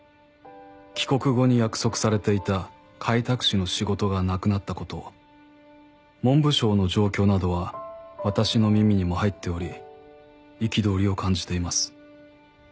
「帰国後に約束されていた開拓使の仕事がなくなったこと文部省の状況などは私の耳にも入っており憤りを感じています」